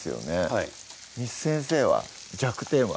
はい簾先生は弱点は？